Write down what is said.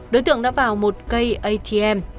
đối tượng đã vào một cây atm